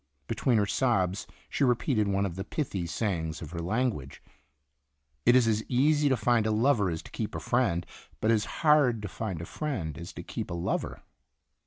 Between her sobs she repeated one of the pithy sayings of her language: "It is as easy to find a lover as to keep a friend, but as hard to find a friend as to keep a lover."